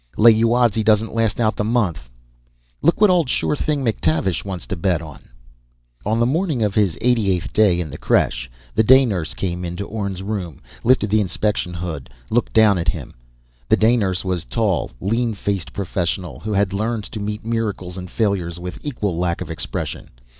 Lay you odds he doesn't last out the month.... Look what old sure thing McTavish wants to bet on!" On the morning of his eighty eighth day in the creche, the day nurse came into Orne's room, lifted the inspection hood, looked down at him. The day nurse was a tall, lean faced professional who had learned to meet miracles and failures with equal lack of expression.